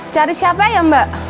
cari siapa ya mbak